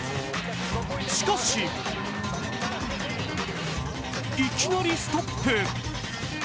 しかし、いきなりストップ。